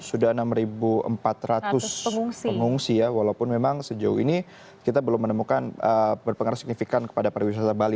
sudah enam empat ratus pengungsi ya walaupun memang sejauh ini kita belum menemukan berpengaruh signifikan kepada pariwisata bali